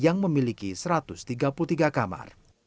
dan di jakarta public center yang memiliki satu ratus tiga puluh tiga kamar